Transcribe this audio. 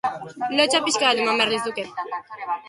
Lotsa pixka bat eman behar lizuke.